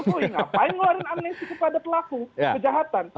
pokoknya ngapain ngeluarin amnesti kepada pelaku kejahatan